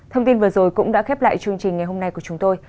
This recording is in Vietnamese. thông tin vừa rồi cũng đã khép lại chương trình ngày hôm nay của chúng tôi